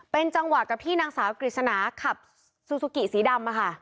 เป็นจังหวะกับที่นางสาวกฤษณาขับซูซูกิสีดำค่ะ